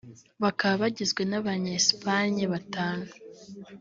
bakaba bagizwe n'abanye Espagne batanu